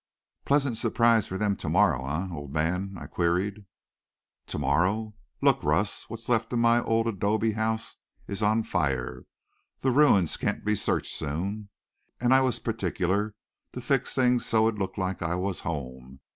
"Pleasant surprise for them to morrow, eh, old man?" I queried. "To morrow? Look, Russ, what's left of my old 'dobe house is on fire. The ruins can't be searched soon. And I was particular to fix things so it'd look like I was home.